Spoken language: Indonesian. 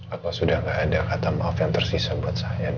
apa sudah gak ada kata maaf yang tersisa buat saya